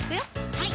はい